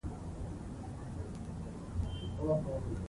سوکاله ژوند د زحمت ثمره ده